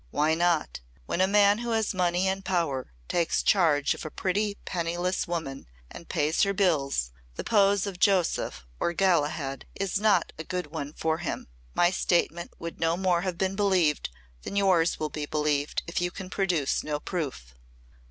Why not? When a man who has money and power takes charge of a pretty, penniless woman and pays her bills, the pose of Joseph or Galahad is not a good one for him. My statement would no more have been believed than yours will be believed if you can produce no proof.